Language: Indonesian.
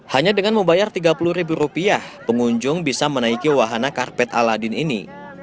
hanya dengan membayar tiga puluh ribu rupiah pengunjung bisa menaiki wahana karpet aladin ini